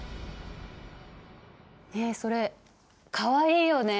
ねえそれかわいいよね。